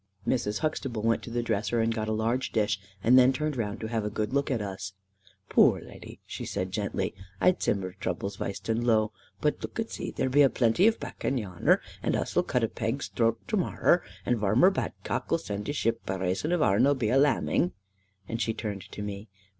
Mrs. Huxtable went to the dresser, and got a large dish, and then turned round to have a good look at us. "Poor leddy," she said gently, "I sim her's turble weist and low. But look e zee, there be a plenty of bakken yanner, and us'll cut a peg's drort to morrow, and Varmer Badcock 'll zend we a ship, by rason ourn be all a'lambing." Then she turned to me.